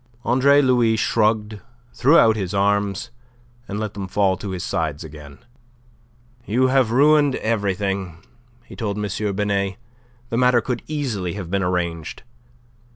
Andre Louis shrugged, threw out his arms, and let them fall to his sides again. "You have ruined everything," he told M. Binet. "The matter could easily have been arranged.